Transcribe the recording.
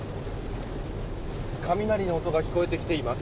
雷の音が聞こえてきています。